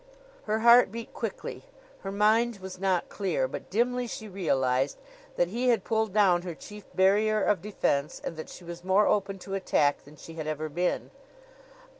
Her heart beat quickly. Her mind was not clear; but dimly she realized that he had pulled down her chief barrier of defense and that she was more open to attack than she had ever been.